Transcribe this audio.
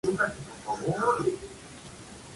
Fue votada núm.